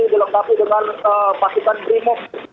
dilengkapi dengan pasukan remote